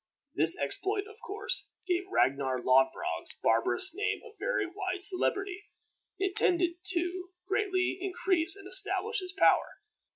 This exploit, of course, gave Ragnar Lodbrog's barbarous name a very wide celebrity. It tended, too, greatly to increase and establish his power.